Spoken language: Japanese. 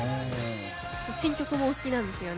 新曲もお好きなんですよね。